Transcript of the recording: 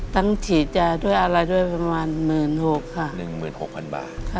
ตั้งฉีดยาด้วยอะไรด้วยประมาณ๑๖๐๐๐บาทค่ะ